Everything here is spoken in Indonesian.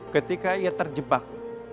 ketika ia terjebak